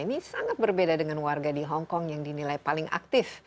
ini sangat berbeda dengan warga di hongkong yang dinilai paling aktif